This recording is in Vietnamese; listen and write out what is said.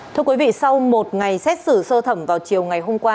thưa quý vị sau một ngày xét xử sơ thẩm vào chiều ngày hôm qua